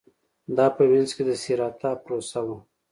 دا په وینز کې د سېراتا پروسه وه